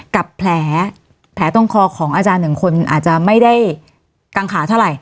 กับแผลตรงคอของอาจารย์หนึ่งคนอาจจะไม่ได้กังขาเท่าไหร่